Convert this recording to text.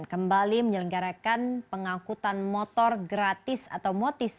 kembali menyelenggarakan pengangkutan motor gratis atau motis